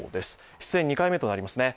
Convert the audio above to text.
出演２回目となりますね。